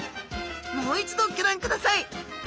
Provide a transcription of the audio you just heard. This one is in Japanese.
もう一度ギョ覧ください。